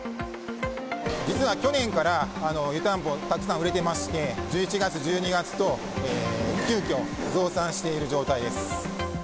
実は去年から湯たんぽ、たくさん売れてまして、１１月、１２月と、急きょ増産している状態です。